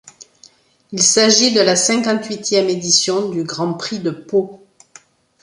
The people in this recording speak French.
Il s'agit de la cinquante-huitième édition du Grand Prix de Pau.